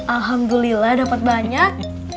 alhamdulillah dapat banyak